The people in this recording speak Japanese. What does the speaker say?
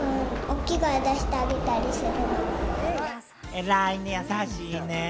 えらいね、優しいね。